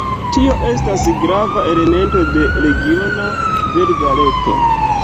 Tio estas grava elemento de regiona verda reto.